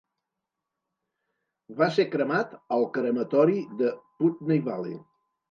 Va ser cremat al Crematori de Putney Vale.